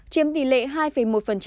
chiếm tỷ lệ hai một